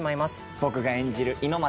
僕が演じる猪俣